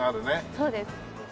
そうです。